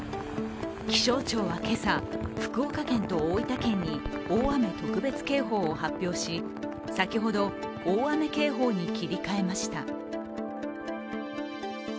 気象庁は今朝、福岡県と大分県に大雨特別警報を発表し、先ほど、大雨警報に切り替えました。